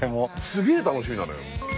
すげえ楽しみなのよ。